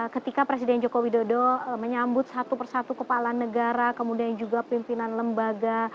ketika presiden joko widodo menyambut satu persatu kepala negara kemudian juga pimpinan lembaga